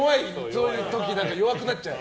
そういう時だけ弱くなっちゃう。